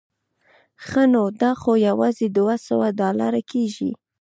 ښه نو دا خو یوازې دوه سوه ډالره کېږي.